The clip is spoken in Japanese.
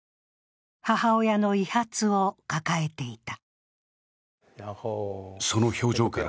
母親の遺髪を抱えていた。